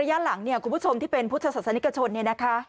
อาวาสมีการฝังมุกอาวาสมีการฝังมุกอาวาสมีการฝังมุกอาวาสมีการฝังมุก